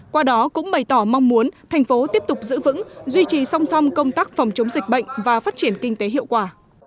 qua đó cũng bày tỏ mong muốn thành phố tiếp tục giữ vững duy trì song song công tác phòng chống dịch bệnh và phát triển kinh tế hiệu quả